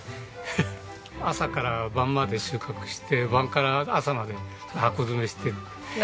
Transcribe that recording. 朝から晩まで収穫して晩から朝まで箱詰めして。